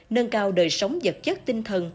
nâng cao đời sống vật chất tinh thần